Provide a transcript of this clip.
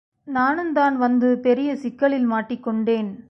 நானுந்தான் வந்து பெரிய சிக்கலில் மாட்டிக் கொண்டேன்.